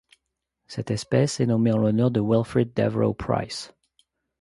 Cette espèce est nommée en l'honneur de Wilfred Devereux Price.